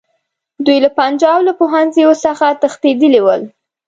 دوی له پنجاب له پوهنځیو څخه تښتېدلي ول.